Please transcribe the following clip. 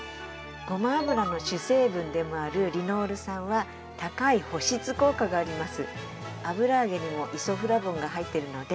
ごま油の主成分でもあるリノール酸は高い保湿効果があります。